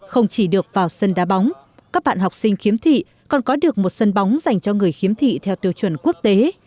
không chỉ được vào sân đá bóng các bạn học sinh khiếm thị còn có được một sân bóng dành cho người khiếm thị theo tiêu chuẩn quốc tế